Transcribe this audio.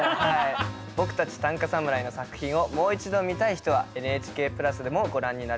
僕たち短歌侍の作品をもう一度見たい人はＮＨＫプラスでもご覧になれます。